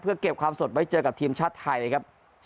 เก็บความสดไว้เจอกับทีมชาติไทยครับ